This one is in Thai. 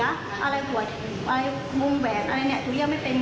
ท่านเขาบอกว่าอะไรนะอ๋อหมวดถามว่าแล้วตกลงปั๊มน้องเขาเสียรึเปล่าอะไรอย่างเงี้ย